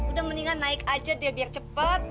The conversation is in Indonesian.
udah mendingan naik aja dia biar cepat